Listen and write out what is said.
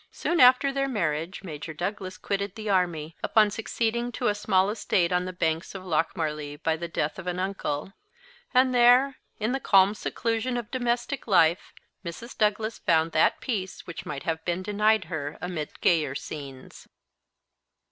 Soon after their marriage Major Douglas quitted the army, upon succeeding to a small estate on the banks of Lochmarlie by the death of an uncle; and there, in the calm seclusion of domestic life, Mrs. Douglas found that peace which might have been denied her amid gayer scenes.